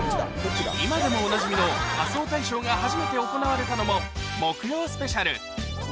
今でもおなじみのが初めて行われたのも『木曜スペシャル』